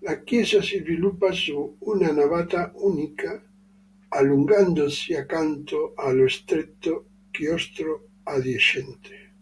La chiesa si sviluppa su una navata unica, allungandosi accanto allo stretto chiostro adiacente.